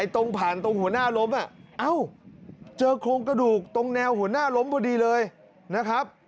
ตรงผ่านตรงหัวหน้าล้มเจอโครงกระดูกตรงแนวหัวหน้าล้มพอดีเลยนะครับ